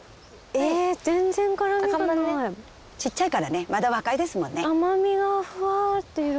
ちっちゃいからねまだ若いですもんね。